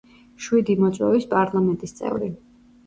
შვიდი მოწვევის პარლამენტის წევრი.